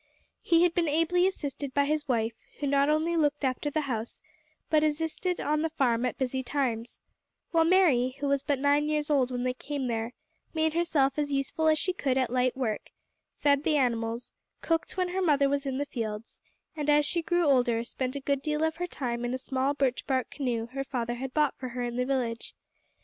He had been ably assisted by his wife, who not only looked after the house, but assisted on the farm at busy times; while Mary, who was but nine years old when they came there, made herself as useful as she could at light work, fed the animals, cooked when her mother was in the fields, and as she grew older spent a good deal of her time in a small birch bark canoe her father had bought for her in the village.